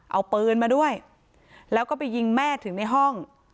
เอาปืนมาด้วยแล้วก็ไปยิงแม่ถึงในห้อง